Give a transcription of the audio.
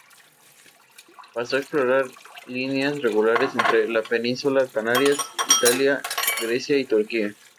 Pasó a explotar líneas regulares entre la Península y Canarias, Italia, Grecia y Turquía.